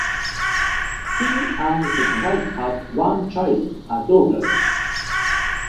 He and his wife had one child, a daughter.